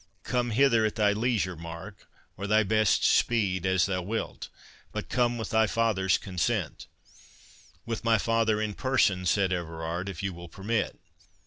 Come hither at thy leisure, Mark,—or thy best speed, as thou wilt—but come with thy father's consent." "With my father in person," said Everard, "if you will permit."